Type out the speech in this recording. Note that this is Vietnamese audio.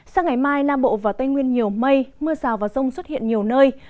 sáng ngày mai nam bộ và tây nguyên nhiều mây mưa sào và rông xuất hiện nhiều nơi